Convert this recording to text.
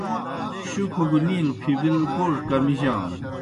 شُکھوْ گہ نِیلوْ پھبِل گوڙہ کمِجانوْ۔